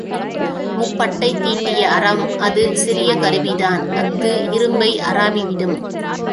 முப்பட்டை தீட்டிய அரம் அது சிறிய கருவிதான் அஃது இரும்பை அராவிவிடும்.